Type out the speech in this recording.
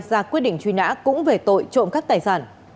ra quyết định truy nã cũng về tội trộm cắt tài sản